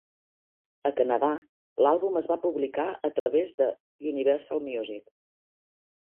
A Canadà, l'àlbum es va publicar a través de Universal Music.